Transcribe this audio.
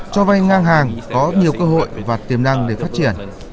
cho vay ngang hàng có nhiều cơ hội và tiềm năng để phát triển